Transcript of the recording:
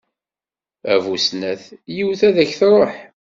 A bu snat, yiwet ad ak-tṛuḥ.